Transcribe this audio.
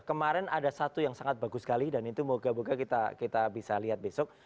kemarin ada satu yang sangat bagus sekali dan itu moga moga kita bisa lihat besok